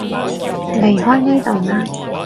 離開呢度啦